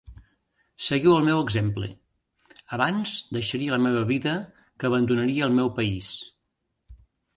Seguiu el meu exemple: abans deixaria la meva vida que abandonaria el meu país.